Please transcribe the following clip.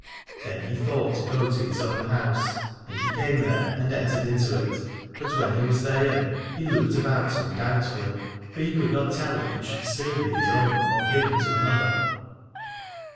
Then he thought to go to his own house, and he came there and entered into it : but when he was therein he looked about him doubt fully, for he could not tell if it should be still his own, or given to another.